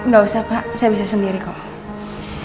nggak usah pak saya bisa sendiri kok